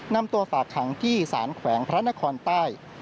นำตัวฝากขังที่สารแขวงพระนครใต้